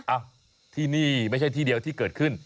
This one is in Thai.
อ้าวที่นี่ไม่ใช่ที่เดียวที่เกิดขึ้น